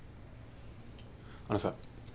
あのさ。